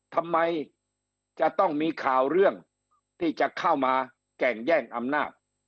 ทำไมจะต้องมีข่าวเรื่องที่จะเข้ามาแก่งแย่งอำนาจ